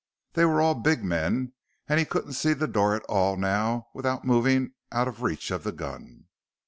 They were all big men, and he couldn't see the door at all now without moving out of reach of the gun.